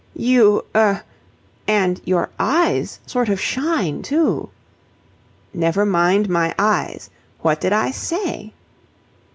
"You... er... And your eyes sort of shine, too." "Never mind my eyes. What did I say?"